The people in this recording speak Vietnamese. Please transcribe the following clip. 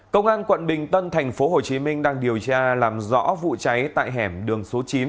công an quận bình tân tp hcm đang điều tra làm rõ vụ cháy tại hẻm đường số chín